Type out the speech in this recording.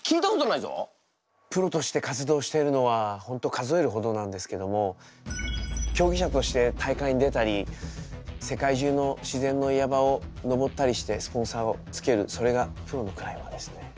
プロとして活動しているのは本当数えるほどなんですけども競技者として大会に出たり世界中の自然の岩場を登ったりしてスポンサーをつけるそれがプロのクライマーですね。